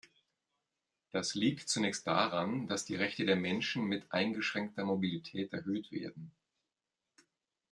Das liegt zunächst daran, dass die Rechte der Menschen mit eingeschränkter Mobilität erhöht werden.